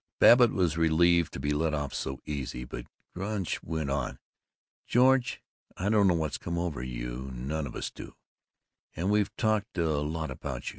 Babbitt was relieved to be let off so easily, but Gunch went on: "George, I don't know what's come over you; none of us do; and we've talked a lot about you.